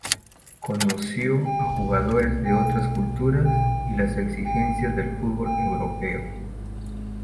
Conoció a jugadores de otras culturas y las exigencias del fútbol europeo.